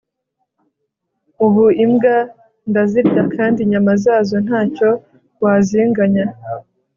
ubu imbwa ndazirya kandi inyama zazo ntacyo wazinganya